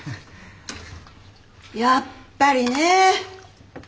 やっぱりね！